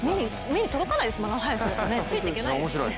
目に届かないですよね